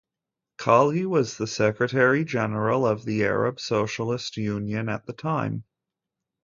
Khalil was the secretary general of the Arab Socialist Union at the time.